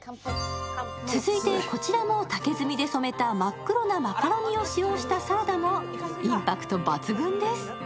続いてこちらも竹炭で染めた真っ黒なマカロニを使用したサラダもインパクト抜群です。